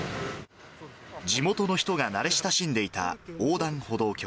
地元の人が慣れ親しんでいた横断歩道橋。